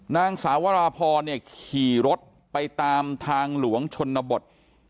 นางสาวราพรขี่รถไปตามทางหลวงชนบท๓๐๑๓